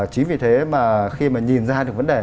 chính vì thế mà khi mà nhìn ra được vấn đề